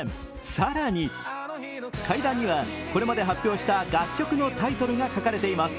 更に、階段にはこれまで発表した楽曲のタイトルが書かれています。